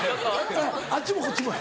あっちもこっちもや。